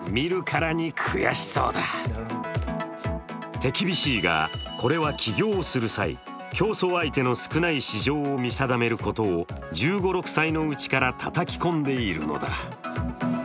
手厳しいが、これは起業する際競争相手の少ない市場を見定めることを１５１６歳のころからたたき込んでいるのだ。